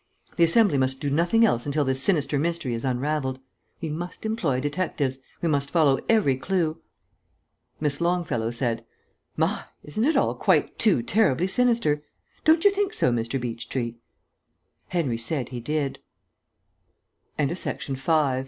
The Assembly must do nothing else until this sinister mystery is unravelled. We must employ detectives. We must follow every clue." Miss Longfellow said, "My! Isn't it all quite too terribly sinister! Don't you think so, Mr. Beechtree?" Henry said he did. 21 They reached the Assembly Hall.